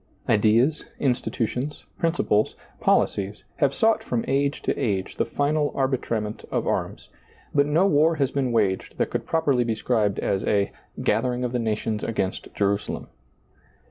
Ideas, institutions, principles, policies, have sought from age to age the final arbitrament of arms ; but no war has been waged that could properly be described as a " gathering of the nations against Jerusalem."